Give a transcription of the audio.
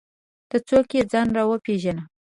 ته څوک یې ؟ ځان راوپېژنه!